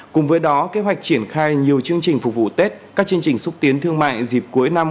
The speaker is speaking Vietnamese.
cùng với đó kế hoạch triển khai nhiều chương trình phục vụ tết các chương trình xúc tiến thương mại dịp cuối năm